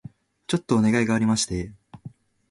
ちょっとお願いがありまして